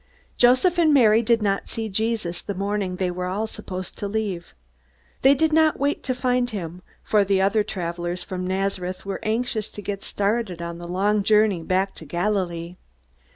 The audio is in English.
Joseph and Mary did not see Jesus the morning they all were supposed to leave. They did not wait to find him, for the other travelers from Nazareth were anxious to get started on the long journey back to Galilee.